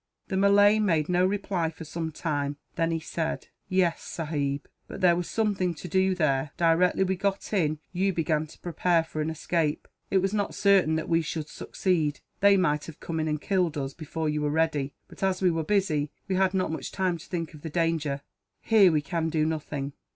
The Malay made no reply, for some time. Then he said: "Yes, sahib, but there was something to do, there. Directly we got in, you began to prepare for an escape. It was not certain that we should succeed. They might have come in and killed us, before you were ready but, as we were busy, we had not much time to think of the danger. "Here we can do nothing."